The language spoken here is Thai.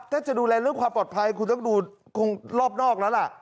ถ้าจะดูแลเรื่องความปลอดภัยคุณต้องดูคงรอบนอกแล้วล่ะ